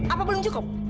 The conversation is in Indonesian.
apa belum cukup